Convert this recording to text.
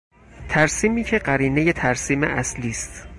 ترسیمی که قرینهی ترسیم اصلی است.